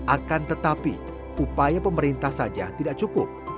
akan tetapi upaya pemerintah saja tidak cukup